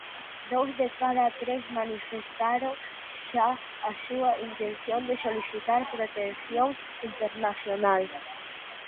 Dous de cada tres manifestaron xa a súa intención de solicitar protección internacional.